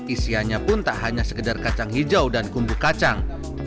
isiannya pun tak hanya sekedar kacang hijau dan kumbu kacang